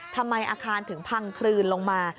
ทำไมอาคารถึงพังคลืนลงมา